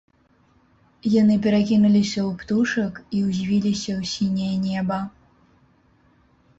Яны перакінуліся ў птушак і ўзвіліся ў сіняе неба.